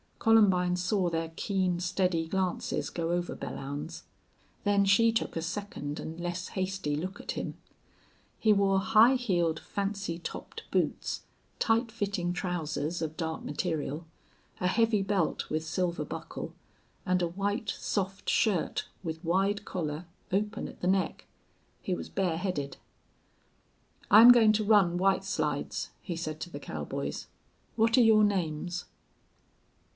Columbine saw their keen, steady glances go over Belllounds. Then she took a second and less hasty look at him. He wore high heeled, fancy topped boots, tight fitting trousers of dark material, a heavy belt with silver buckle, and a white, soft shirt, with wide collar, open at the neck. He was bareheaded. "I'm going to run White Slides," he said to the cowboys. "What're your names?"